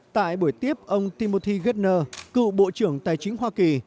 tại buổi tiếp ông timothy gettner cựu bộ trưởng tài chính hoa kỳ